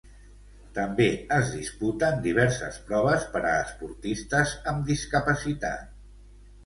També es disputen diverses proves per a esportistes amb discapacitat.